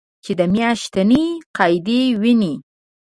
چې د میاشتنۍ قاعدې وینې